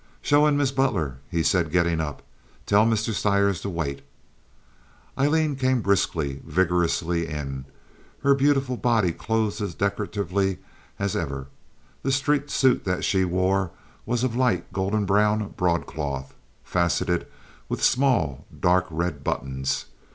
"Show in Miss Butler," he said, getting up. "Tell Mr. Stires to wait." Aileen came briskly, vigorously in, her beautiful body clothed as decoratively as ever. The street suit that she wore was of a light golden brown broadcloth, faceted with small, dark red buttons.